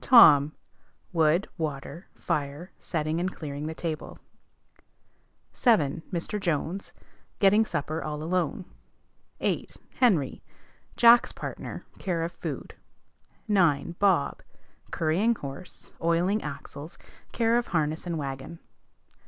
Tom. Wood, water, fire, setting and clearing table. 7. Mr. Jones. Getting supper all alone. 8. Henry. Jack's partner. Care of food. 9. Bob. Currying horse, oiling axles, care of harness and wagon.